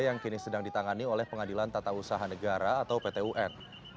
yang kini sedang ditangani oleh pengadilan tata usaha negara atau pt un